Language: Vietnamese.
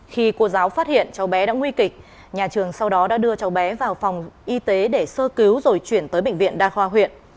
khi cô giáo phát hiện cháu bé đã nguy kịch nhà trường sau đó đã đưa cháu bé vào phòng y tế để sơ cứu rồi chuyển tới bệnh viện đa khoa huyện